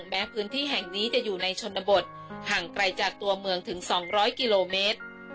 แม้พื้นที่แห่งนี้จะอยู่ในชนบทห่างไกลจากตัวเมืองถึง๒๐๐กิโลเมตร